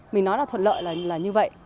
mình nói là thuận lợi là như vậy